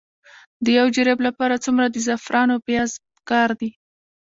د یو جریب لپاره څومره د زعفرانو پیاز پکار دي؟